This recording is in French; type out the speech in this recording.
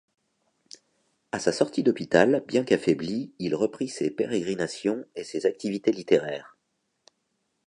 À sa sortie d’hôpital, bien qu’affaibli, il reprit ses pérégrinations et ses activités littéraires.